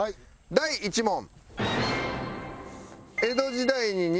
第１問。